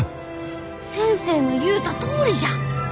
先生の言うたとおりじゃ！